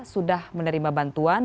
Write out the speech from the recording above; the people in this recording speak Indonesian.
sudah menerima bantuan